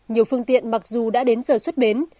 nhiều phương tiện mặc dù đã đến giờ xuất bến